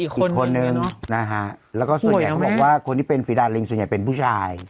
อีกคนนึงนะฮะแล้วก็ส่วนใหญ่เขาบอกว่าคนที่เป็นฝีดาลิงส่วนใหญ่เป็นผู้ชาย